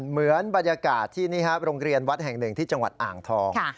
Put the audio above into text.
เหมือนบรรยากาศที่นี่ครับโรงเรียนวัดแห่งหนึ่งที่จังหวัดอ่างทอง